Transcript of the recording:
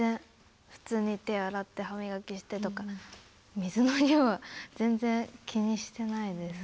普通に手洗って歯みがきしてとか水の量は全然気にしてないです。